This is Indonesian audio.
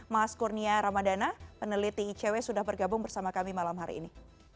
mas kurnia ramadana peneliti icw sudah bergabung bersama kami malam hari ini